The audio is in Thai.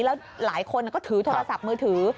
แล้วหลายคนก็ถือโทรศัพท์มือถือ